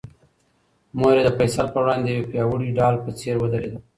مور یې د فیصل په وړاندې د یوې پیاوړې ډال په څېر ودرېده.